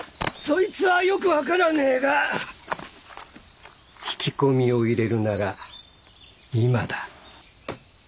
そいつはよく分からねえが引き込みを入れるなら今だ。